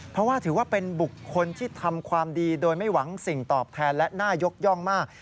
เพราะว่าถือว่าเป็นบุคคลที่ทำความดีโดยไม่หวังสิ่งตอบแทนและน่ายกย่องมาก